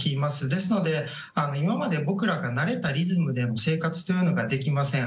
ですので今まで僕らが慣れたリズムでの生活はできません。